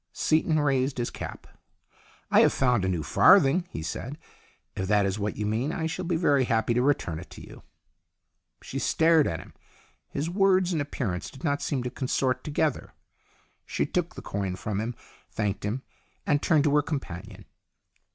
Seaton raised his cap. " I have found a new farthing," he said. "If that is what you mean, I shall be very happy to return it to you." She stared at him. His words and appearance did not seem to consort together. She took the THE LAST CHANCE 123 coin from him, thanked him, and turned to her companion.